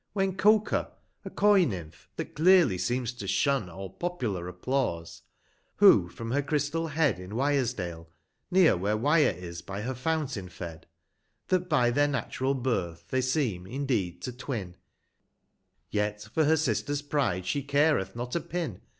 When Cuker a coy Nymph, that clearly seems to shun All popular applause, who from her crystal head, irs In JFijresdale, near where JFijre is by her fountain fed, That by their natural birth, they seem (indeed) to twin, Yet for her sister's pride she careth not a pin.